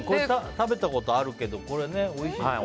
食べたことあるけどおいしいよね。